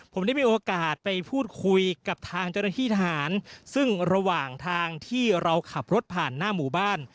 ผมได้มีโอกาสไปพูดคุยกับทางเจ้าหน้าที่ทหารซึ่งระหว่างทางที่เราขับรถผ่านหน้าหมู่บ้าน